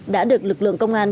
đã được lực lượng công an